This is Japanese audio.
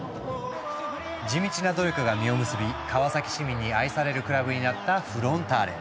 地道な努力が実を結び川崎市民に愛されるクラブになったフロンターレ。